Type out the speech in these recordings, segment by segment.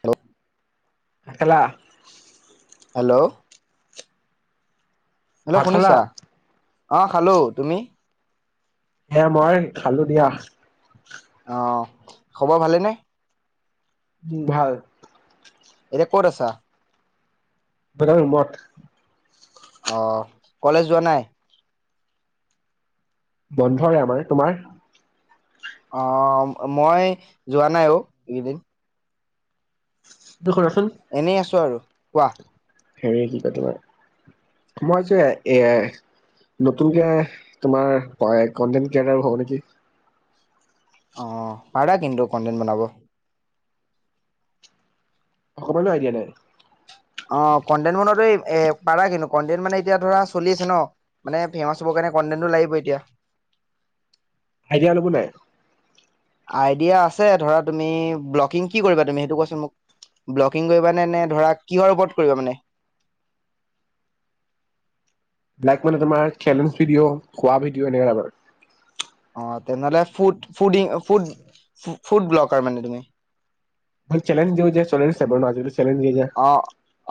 Hello. ভেকেলা। Hello. Hello ভাত খালা? শুনিছা। অহ খালো তুমি। হে মই খালো দিয়া। অ, খবৰ ভালেনে। উ ভাল। এতিয়া ক'ত আছা। বন ৰোমত। অ, কলেজ যোৱা নাই। বন্ধৰে আমাৰ তোমাৰ। অ মই যোৱা নাই, অ এইকেইদিন। হয়। এনেই আছো আৰু। কোৱাহ। হেৰি কি কয় তোমাৰ, মইজে এ, নতুনকে তোমাৰ কনকিয়টাৰ হব নেকি। অ পাৰা কিন্তু কোনতেন বনাব। [unintelligible] অ কণ্টেন মনৰ এই। এ পাৰা কিন্তু কন্টেন মানে এতিয়া ধৰা চলি আছে ন, মানে ফেমাচ হবৰ কাৰণে কন্টেনটো লাগিব এতিয়া। হাই দিয়া লবো নাই। আইডিয়া আছে ধৰা তোমি ব্লকিং কি কৰিবা তোমি হেই টো কোৱাচোন মোক বল্লকিং কৰিবা নে ধৰা কিহৰ ওপৰত কৰিবা মানে। ব্লেক মানে, তোমাৰ খেমিনিচ ভিডিঅ' খোৱা ভিডিঅ' এনেকাৰ। অ তেনেহলে ফুট ফুদিঙফ ফুট ফুট বল্লকাৰ মানে ভ চেলেঞ্জ দিওঁ যে চেলেঞ্জ। [unintelligible] অ,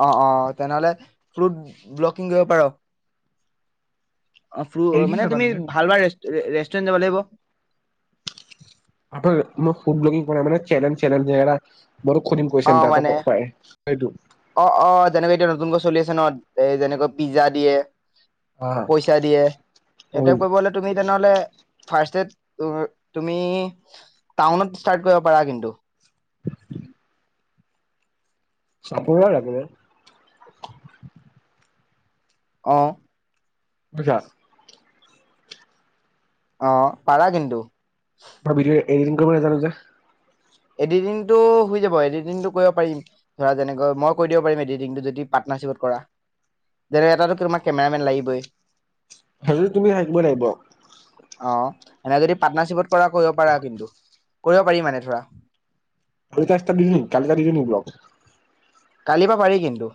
অ অ তেনেহ'লে। ফ্রুট ব্লকিং কৰিব পাৰ। অ' ফ্ৰু মানে তুমি ভাল ভাল, ৰেষ্টুৰেণ্ট যাব লাগিব। আক মোক ফুড ব্লগিং কৰা মানে চেলেন চেলেন অ মানে [unintelligible] সেইটো। অ' অ' তেনেকৈ এতিয়া নতুনকৈ চলি আছে ন, এ যেনেকৈ পিজ্জা দিয়ে। পইচা দিয়ে, সেইতে অ' কৰিব হলে তুমি তেনেহলে। ফাৰ্ষ্টতে তুমি টাউনত ষ্টাৰ্ট কৰিব পাৰা কিন্তু। [inaudible] চাপৰাৰ লাগিব।। অঁ। [unintelligible] অ, পাৰা কিন্তু। ভাবিলোৱে। এডিটিং কৰিব নাজানো যে। এডিটিংটো হৈ যাব এডিটিংটো কৰিব পাৰিম, ধৰা যেনেকৈ মই কৈ দিব পাৰিম এডিটিংটো যদি পাৰ্টনাৰশ্বিপত কৰা, যেনে এটা তোমাৰ কেমেৰামেন লাগিবই। সেইটোত তুমি থাকিব লাগিব। অ'এনে যদি পাৰ্টনাৰশ্বিপত পৰা কৰিব পাৰা কিন্তু। কৰিব পাৰি মানে ধৰা। [unintelligible] কালিৰ পা পাৰি কিন্তু।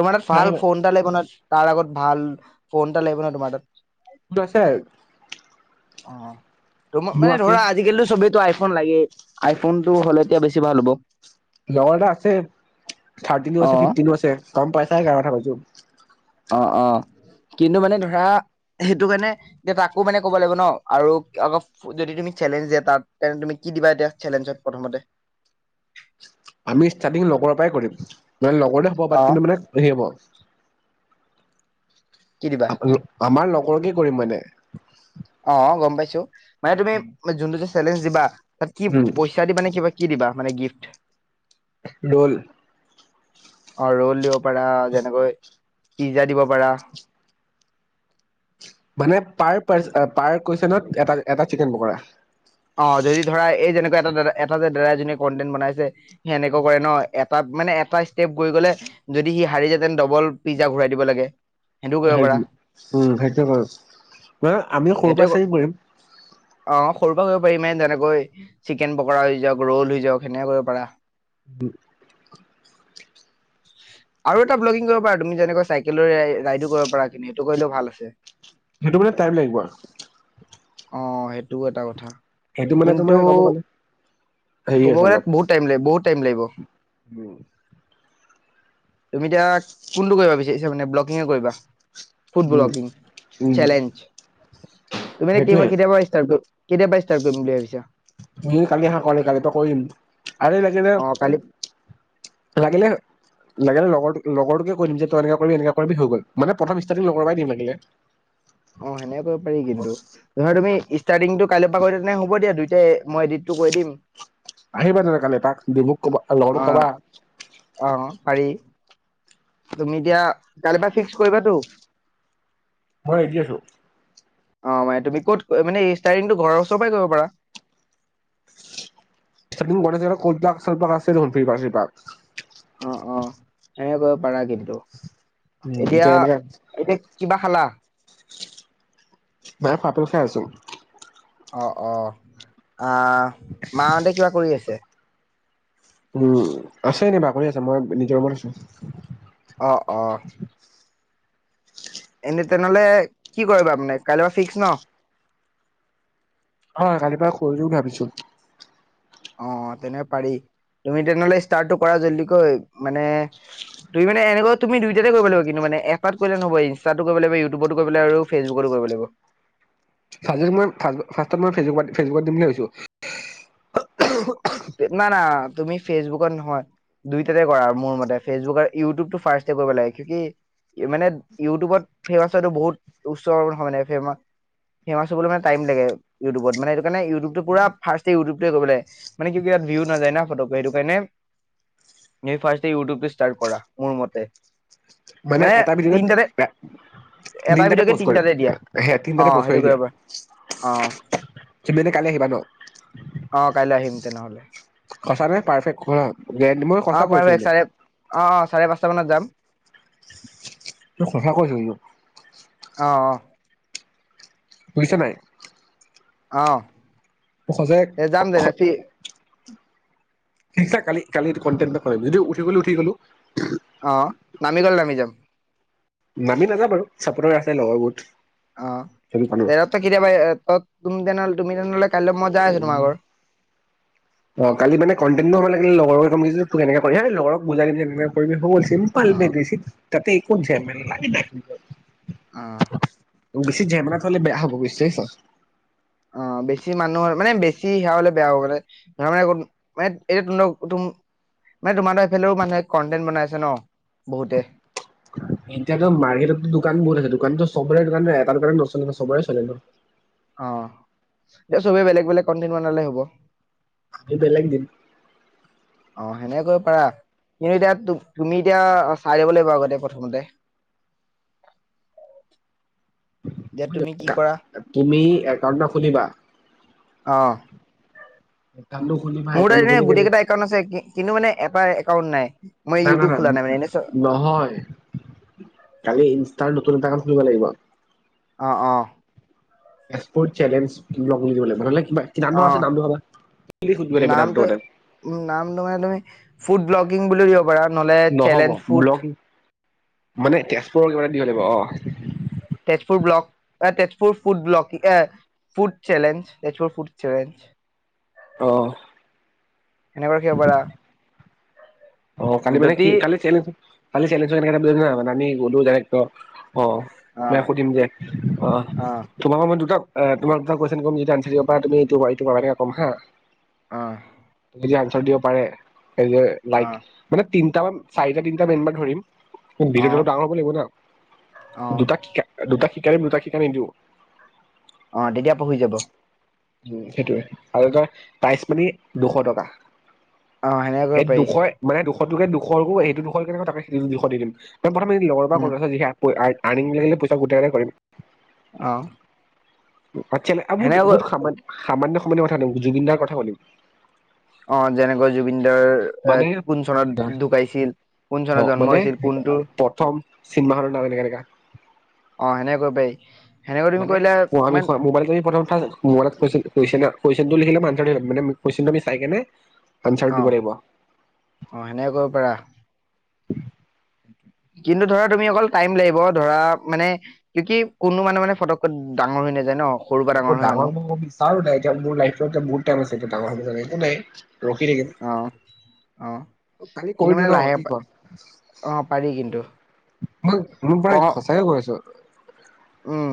তোমাৰ তাত নাই ভাল ফোন এটা লাগিব নহয়। তাৰ আগত ভাল ফোন এটা লাগিব নহয় তোমাৰ তাত। [unintelligible] অ'। তোমাৰ মোৰ মানে আছে ধৰা আজিকালি চবেইতো আই ফোন লাগে আইফোন টো হ'লে এতিয়া বেছি ভাল হ'ব। লগৰএটাৰ আছে থাৰ্টিনো অ আছে ফিফটিনো আছে গম পইচাই কাৰ কথা কৈছো। অ- অ- কিন্তু মানে ধৰা সেইটো কাৰণে এটা আকৌ মানে ক'ব লাগিব ন আৰু আকৌ যদি তুমি চেলেঞ্জ দিয়া তাত তেন্ত তুমি কি দিবা এতিয়া চেলেঞ্জত প্ৰথমতে। আমি ষ্টাৰ্টিং লগৰৰ পৰাই কৰিম। মানে লগৰতে হ'ব বাট অ কিন্তু মানে হেৰি হ'ব। কি দিবা আপোনি আমাৰ লগ কৰ কে কৰিম মানে। অ'- গম পাইছোঁ। মানে তুমি যোনটো যে চেলেঞ্জ দিবা তাত কি উম পইচা দিবা নে কিবা কি দিবা। মানে গিফ্ট। দল। অহ ৰোল দিব পাৰা, যেনেকৈ পিজ্জা দিব পাৰা। মানে পাৰ পাৰ এ পাৰ কৈছে নহয় এ এটা এটা চিকেন পকৰা। অহ- যদি ধৰা এই যেনেক এ এটা এটা যে ডাৰা এজনীয়ে কণ্টেন্ট বনাইছে সেনেকৈ কৰে ন তাত মানে এটা ষ্টেপ গৈ গ'লে যদি সি হাৰি যায় তেন্তে ডবল পিজ্জা ঘূৰাই দিব লাগে। সেইটোও কৰিব পাৰা সেইটো উম! সেইটোয়ে কৰিম, হে আমিও সৰু সেইটোৱে পৰা ক- চাই কৰিম অ সৰুৰ কৰিব পাৰিম যেনেকৈ চিকেন পকৰা লৈ যাওঁক, ৰ'ল লৈ যাওঁক, সেনেকে কৰিব পাৰা। উম! আৰু এটা ব্লগিং কৰিব পাৰা তুমি যেনেকৈ চাইকেল ৰাইডো কৰিব পাৰা সেইটো কৰিলেও ভাল আছে। সেইটো কাৰনে টাইম লাগিব আৰু। অ সেইটো সেইটো এটা কথা সেইটো মানে তোমাৰ কিন্তু ক'ব গ'লে হেৰি কব আছে গ'লে অলপ বহুত টাইম বহুত টাইম লাগিব। উম তুমি এতিয়া কোনটো কৰিম ভাবিছা মানে ব্লকিঙে কৰিবা। উম ফুটব্লগিং উম চেলেঞ্জ। তুমালোক কেইমাহ সেইটোয়ে কেতিয়াবা ষ্টাৰ্ট। [unintelligible] কৰিম বুলি ভাবিছা? উম কালি হা কলে কাইলেপৰা কৰিম, আৰু লাগিলে অ কালি লাগিলে। লাগিলে লগৰটোক লগৰটোকে কৈ দিম যে, তই এনেকোৱা কৰিবি এনেকোৱা কৰিবি হৈ গ'ল, মানে প্ৰথমষ্টাৰ্টিং লগৰ পৰাই দিম লাগিলে। অ সেনেকে কৰিব পাৰি কিন্তু, মই, তুমি। ষ্টাৰ্টিংটো কাইলে পৰা কৰি দিয়া তেনে, হব দিয়া দুইটাই মই এডিটটো কৰি দিম। আহিবা তেনে কাইলে তাক ডবুক কবা অ লগটোক কবা। অ পাৰি। তুমি এতিয়া কাইলে পা ফিক্স কৰিবাটো? মই ৰেডি আছো। অ মানে তুমি ক'ত মানে ষ্টাৰিংটো ঘৰৰ ওচৰ পৰাই কৰিব পাৰা? গণেশৰ কলপাক চলপাক আছে দেখোন তৃপাত চিপাত। অ অ সেনে কৰিব পাৰা কিন্তু। উম এতিয়া এনেকে এতিয়া। কিবা খালা? মাই ফটো চাই আছো। অহ অহ। আঁহ, মাহঁতে কিবা কৰি আছে? উম আছে এনে বাগৰি আছে, মই নিজৰ ৰোমত আছো। অ অ এনে তেনেহলে কি কৰিবা মানে, কাইলৈ পৰা ফিক্স ন? হয়, কালিৰ পৰা কৰি দিওঁ ভাবিছো। অ তেনে পাৰি, তুমি তেনেহলে ষ্টাৰতটো কৰা জল্ডিকৈ, মানে, তুমিমানে এনেকৈ তুমি দুইতাতে কৰিব লাগিব কিন্তু মানে, এটাত কৰিলে নহব, ইনষ্টাটো কৰিব লাগিব, ইউটোবটো কৰিব লাগিব আৰু ফেচবুকতো কৰিব লাগিব। খালি মই ফাচ বা ফাষ্টটাইম মই ফেচবুকত ফেচবুকত দিম বুলি ভাবিছো। না না তুমি ফেচবুকত নহয়, দুইটাতে কৰা আৰু মোৰ মতে ফেচবুক ইউটিউব টো ফাৰ্ষ্ট তেপিব লাগে, কিউকি মানে ইউটিউবত ফেমাচ হোৱাটো বহুত উচ্চৰ নহব মানে, ফেমা ফেমাচ হবলৈ মানে টাইম লাগে ইউটিউবত, মানে সেইটোকাণে ইউটিউবটো পুৰা ফাৰ্ষ্ট এ ইউটিউৱটোৱে কৰিব লাগে। মানে কিউকি ইয়াত ভিউ নাযায় না ফটকে, সেইটো কাৰণে ফাৰ্ষ্টএ ইউটিউবটো ষ্টাৰ্ট কৰা, মোৰ মতে। মানে এটা ভিতৰত এ এটা তিনটাতে ভিডিঅ'কে পষ্ট কৰিম, তিনিটাতে দিয়া হে অ তিনটাতে পষ্ট সেইটো কৰি কৰিব পাৰা অ দিয়া, তুমি এনে কাইলৈ আহিবা ন? অ কাইলৈ আহিম তেনেহ'লে সঁচা নে পাৰফেক্ট গেৰেণ্টি মই সঁচা কৈছো পাৰে কিন্তু চাৰে, অঁ অঁ চাৰে পাঁচ তাত যাম। তোক সঁচা কৈছো [unintelligible] অঁ। বুজিছ নাই? অ'হ। মই সঁচাই এ জাম দে ৰাতি ঠিকছে কালি, কালি কনটেনটো কাৰণে ভিদিও উঠি গলো উঠি গলো। অঁ নামি গ'লে নামি যাম। নামি নাযাও বাৰু চাপৰ্টাৰ আছে লগৰ বহুত। অঁ সেইটো পালো তে কেতিয় বাই তত [unintelligible] তুম তেনাল তুমি গলে [unintelligible] অ' কালি মানে কন্টেনটটো হ লাগিলে লগৰ ল [unintelligible] তোক কেনেক কৰি হয় লগক বুজা কি এনেকুৱ হ' [unintelligible] চিম্পল অ আল মে কছি [unintelligible] ততে একোত যায় মান লাগে [unintelligible] অঁ। বেছি জেমলাট হলে বেয়া হ'ব বুজিপাইছা [unintelligible] অ' বেছি মানুহৰ, মানে বেছি সেয়া হলে বেয়া হব, গলে ধ মানে [unintelligible] মে এই তম মানে তোমাৰ এফালে মানুহে কন্টেনট বনাই আছে ন বহুতে [unintelligible] এতিয়াাতো মাৰ্কেটতো দোকান বহু আছে দোকানতো চবৰে দোকান এটা দোকান নচলে চবৰে চলে ন। অ' এই চবে বেলেগ বেলেগ কনটেণ্ট বনালে হ'ব। এইটো লাগ দিম অ' সেনেকৈ পাৰা, কিন্তু এতিয়া, তুমি এতিয়া চাই লব লাগিব আগতে প্ৰথমতে। যে তুমি কি কৰা তুমি [unintelligible] একাউণ্ট এটা খুলিবা অঁহ। একাউণ্টটো খুলিবা মোৰ তাৰ একাউণ্টটো এনে খুলি কেনে গোটেই কেইটা একাউণ্ট আছে কিন্তু মানে এটা ক [unintelligible] নাই মই না ইউটিউব না-না, খোলা নাই মানে এনে চ নহয় কালি ইনষ্টাৰ নতুন এটা কৰিব লাগিব। অঁ-অঁ। এছ ফৰ চেলেঞ্জ [unintelligible] লাগিব, হয়নে। কি নান অ ধৰ আছে নাম ধৰবা [unintelligible] সুধিব লাগিব নামটো মতে। উম নামটো মানে তুমি ফুড ব্লগিং বুলি দিব পাৰা। নহ'লে চেলেঞ্জ ব্লগ ফুড। মানে তেজপুৰ কিবা এটা দিব লাগিব অঁ। তেজপুৰ ব্লগ, এ তেজপুৰ ফুড ব্লগ, ই food challenge, Tezpur food challenge. অঁ এনেকুৱা কিবা পাৰা। অঁ কালি মানে কি, যদি কালি চেল খালি চেলেঞ্জ ৰ এনেকে [unintelligible] অ' অ মই সুধিম দে, অ তোমালোকৰ দুটাক অঁ তোমাক এটা কুৱেশচন কৰিম যদি আনচাৰ দিব পাৰা তুমি এটো কিবা এটা কম হা। অঁ [unintelligible] দিব পাৰে, এই যে অঁ তিনিটামান চাৰিটা তিনিটা মেম্বাৰ ধৰিম। অ ভিডিঅ টো অলপ ডাঙৰ হ'ব লাগিব না, অ দুটাক শিকা দুটা ডাইৰেক্ট দুটাক শিকাই নিদিওঁ। অ তেতিয়া পঢ়ি যাব সেইটোয়ে আৰু তাৰ প্ৰাইচ মানি দুশ টকা। অঁ সেনেকে এই কৰিব পাৰি। দুশ টোৰে দুশকো এইটো দুশৰ কেনেকুৱা তাক সেইটো দুশ দি দিম। তেওঁ প্ৰথম লগৰ পা উম [unintelligible] আনিম লাগিলে পইচা গোটাই হে কৰিম। অঁ [unintelligible] বহুত সামা সামান্য [unintelligible] কথা জুবিন দাৰ কথা পাতিম। অঁ যেনেকৈ জুবিন দাৰ এ মানে কোন চনত ঢুকাইছিল, কোন চনত জন্ম হৈছিল কোনটো চিনেমা হলৰ দৰে এনেকা অঁ সেনেকে কৰিব পাৰি। মানে মোবাইলত [unintelligible] কৈছে না। কুৱেশনটো লিখিলে [unintelligible] মানে কুৱেশনটো আমি চাই কেনে আনচাৰটো আহ দিব লাগিব আহ সেনেকে কৰিব পাৰা কিন্তু ধৰা তুমি অকল টাইম লাগিব ধৰা মানে কি কি কোনো মানে মানে ফটক ডাঙৰ হৈ নাযায় ন সৰুৰ পৰা একো হয় ডাঙৰ মানুহ হ'ব বিচাৰো নাই এতিয়া মোৰ লাইত এ বহুত টাইম আছে এ ডাঙৰ কন থেই ৰখি থাকিম অ অ কালি কিন্তু কৰি দিওঁ মানে ন লাহে কি পা- ক অ পাৰি কিন্তু মই মোৰ ক পৰাই সচা কৈ আছো উম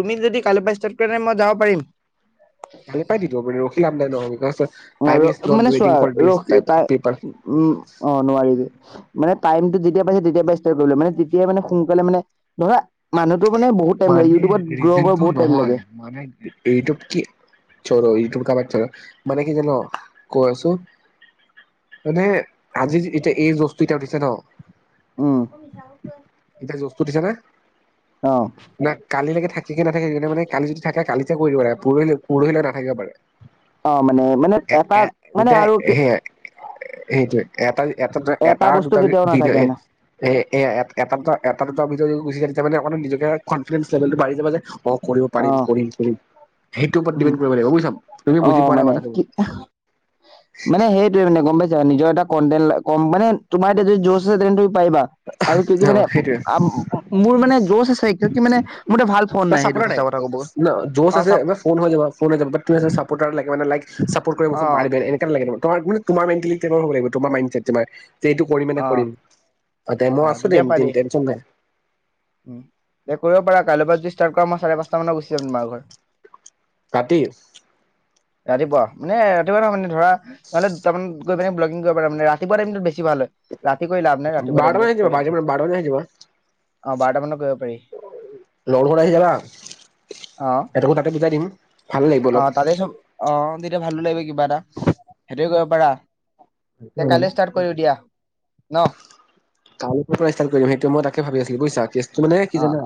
তুমি যদি কালিৰ পৰা ষ্টাৰ্ট কৰা ন মই যাব পাৰিম খালি পাই দিব পাৰো অ ৰ মানে চোৱা ৱেটিং ফৰ দিছ ৰস টাইপ তাই পিপল উম অ নোৱাৰিবি মানে টাইমটো যেতিয়া পাইছে তেতিয় পৰা ষ্টাৰ্ট কৰিলো মানে তেতিয় মানে সোনকালে মানে ধৰা মানুহ মানেজটো টাইম লাগে নহয় মানে ইউটিউব কি চল ইউটিউব কাৰবাৰল মানে কি জান কৈ আছো মানে আজি এতিয়া এই বস্তু এতিয়া উঠিছে ন এতিয়া জচটো উঠিছে নে উম অ না কালিলৈকে থাকে থে নাথাকে মান কালি যদি থাকে কালি যে দি লাগ প পৰহিলে ন থাকিব পাৰে অ মানে মানে এ এ এটাক মানে যেতিয়া আৰু কি। সেই সেইটোৱে এটা। এটা দু এটা বস্তু দুটা কেতিয়াও ভিডিঅ' নাথাকে এ না এ এ এ এটা দুটা এটা দুটা ভিডিঅ' গুচি থছে তা মানে। [inaudible] নিজ। ইয়াৰ কনফিডেঞ্চ লেভেলটো বাঢ়ি যাব যে। অ কৰিব অ পাৰিম কৰিম কৰিম সেইটোৰ ওপৰত উম ডিপেণ্ড কৰিব লাগিব বুজিাম তুমি অ বুজি পোৱা নাই মানে কথাটো। কি কণডেল ল মানে তোমাৰ এতিয়া যদি জোৰ আছে তেন্ত। পাৰিবা আৰু ক কি অ মানে সেইটোৱে মোৰ মানে যোষ আছে ক কি মানে মোৰ ভাল। ফোন তই নাই চাপৰ্টাৰ সেইটো। কথা ক'ব ন যোচ অ আছে চাপ ফোন হৈ যাবা ফোন হৈ যাব তুমি চাপৰ্তৰলাগে মানে চা। পৰত অ কৰিব [inaudible] এনে। [inaudible] তাৰ তোমাৰ মেন্টেলি তেঙৰ হব লাগিব তোমাৰ মাইন। যে এইটো কৰিমে মানে অ কৰিম। মই অ আছো দে তেতিয়া পাৰি টেনচন নাই উ দে কৰিব পাৰা। কাইলৈ পৰা যদি ষ্টাৰ্ট কৰা মই চাৰে পাঁচ মান গুচি আ তোমাৰ ঘৰ। কাটি। ৰাতিপুৱা মানে ৰাতিপুৱা নহয় মানে ধৰা নহ'লে তামানত গৈ পাননে ব্লগিং কৰিব পাৰে মানে ৰাতিপুৱা টাইমত বেছি ভাল হয়। ৰাতিকৈ লাভ নাই ৰাতিপোৱ বাৰটা মান আহি টাইমটো। যাবা যাবা মানত কৰিব পাৰি লগৰ ঘৰত আহি যাবা অ সহঁতকো তাতে বিজাই দিম ভাল লাগিব অলপ তিয়া ভালো লাগে কিবা এটা সেইটোয়ে কৰিব পাৰা। তে কালে ষ্টাৰ্ট কৰো দিয়া। ন। কালিৰ পৰা ষ্টাৰ্ট কৰিম সেইটো মই তাক ভাব আছিলো বুজিছা। কে ত মানে কি অ জানা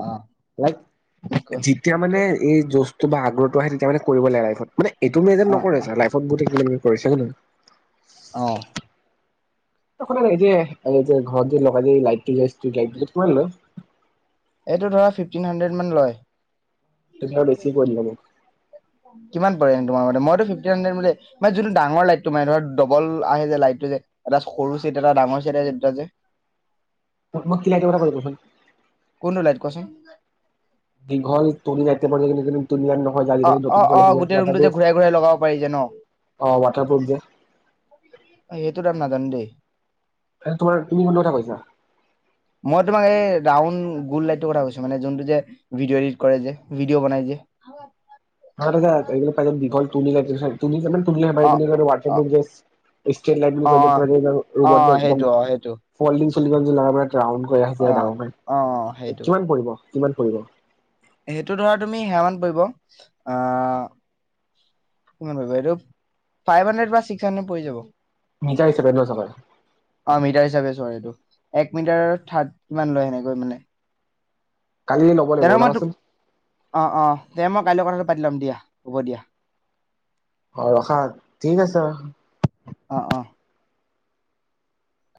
অ যেতিয়া মানে এ এই জোছটো বা আগ্ৰহটো আহে তেতিয়া মানে। কৰিব লে লাইফত মানে এইটো মেজাৰ অ নকৰে অ ছ লাইফত গো। কৰিছা হৈ নাই। অহ। এই যে ঘৰত যে লগাই যে লাইটটোই লাইট কিমান লয়। এইটো ধৰা ফিফটিন হাণ্ড্ৰেড মান লয়। তোক ম বছি কৰি। কিমান পৰে তোমাৰ মতে মইতো ফিফটিন হাড্ৰেড ম মানে যোনটো ডাঙৰ লাইটটো মানে ধ ডবল আহে যে লাইটটো যে এটা সৰু চিট এটা ডাঙৰ চিট যে। কোনটো লাইট কোৱাচোন [unintelligible] দীঘল [unintelligible] ইন্দিয়ান নহয় অ আজিকালি অ নতুনকে অ গোটেই ৰুমটো উলাইছে যে ঘূৰাই ঘূৰাই লগাব পাৰি যে ন অ ৱাটাৰপফ যে। সেইটো তাম নাজানো দেই। হে তোমাৰ তিনি নম্ব এটা পাইছা। ৰা উন গোল লাইটৰ কথা কৈছো মানে যোনটো যে ভিডিঅ' এডিট কৰে যে ভিডিঅ' বনাই যে। সাত হেজাৰ পাই দীঘল। অ [unintelligible] অ [unintelligible] [unintelligible] অ ৰাউণ্ড অ কৰি সেইটো অ সেইটো আহে যে ডাঙৰ অ কে অ কিমান সেইটো পৰিব? কিমান পৰিব? সেইটো ধৰা তুমি হোন পৰিব আহ কি পৰিব এইটো ফাইভ হাড্ৰেড চিক্স হাড্ৰেড পৰি যাব। মিটাৰ হিচাপে ন চাগে অ মিটাৰ হিচাপে চৰে এইটো। এক মিটাৰৰ থাৰ্ড কিমান লয় সেনেকৈ মানে। কালি ল'ব তে লাগিব মই তোক ওলাবাচোন অ অ তে ম। কাইলৈ কথাটো পাতি ল'ম দিয়া হ'ব দিয়া। অ ৰখা ঠিক আছে। অ অ।